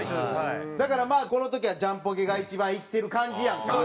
だからまあこの時はジャンポケが一番いってる感じやんか。